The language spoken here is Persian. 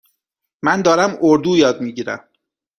من دارم اردو یاد می گیرم.